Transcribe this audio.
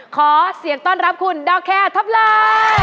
ขอเสียงต้อนรับคุณดาวแคร์ทัพลอย